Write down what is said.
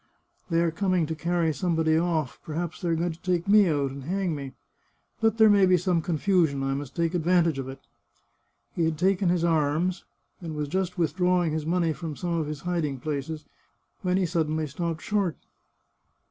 " They are coming to carry somebody off ; perhaps they are going to take me out and hang me. But there may be some confusion; I must take advantage of it." He had taken his arms, and was just withdrawing his money from some of his hiding places, when he suddenly stopped short.